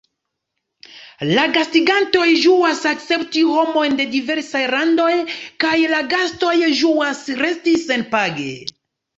La gastigantoj ĝuas akcepti homojn de diversaj landoj, kaj la gastoj ĝuas resti senpage.